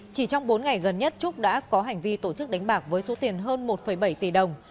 chỉ trong bốn ngày gần nhất trúc đã có hành vi tổ chức đánh bạc với số tiền hơn một bảy tỷ đồng